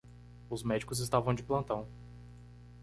Os médicos estavam de plantão.